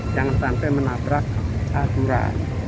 jangan sampai menabrak aturan